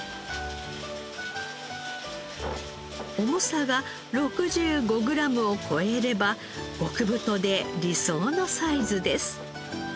重さが６５グラムを超えれば極太で理想のサイズです。